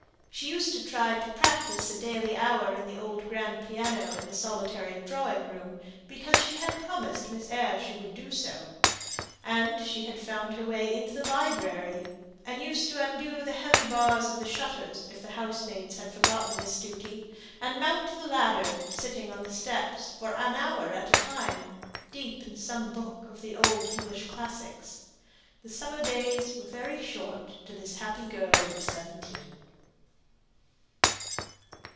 She used to try to practise an hour daily on the old grand piano in the solitary drawing room, because she had promised Miss Eyre she would do so. And she had found her way into the library, and used to undo the heavy bars of the shutters if the housemaid had forgotten this duty, and mount the ladder, sitting on the steps, for an hour at a time, deep in some book of the old English classics. The summer days were very short to this happy girl of seventeen.